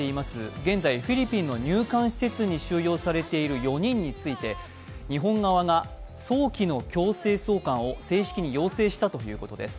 現在、フィリピンの入管施設に収容されている４人について日本側が早期の強制送還を正式に要請したということです。